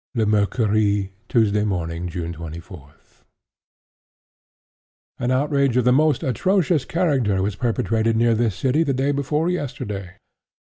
—Le Mercurie—Tuesday Morning, June 24. (*18) "An outrage of the most atrocious character was perpetrated near this city the day before yesterday.